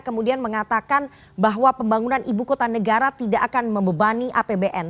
kemudian mengatakan bahwa pembangunan ibu kota negara tidak akan membebani apbn